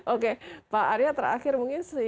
oke pak arya terakhir mungkin